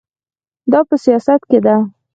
دا په سیاست کې ده.